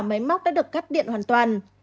máy móc đã được cắt điện hoàn toàn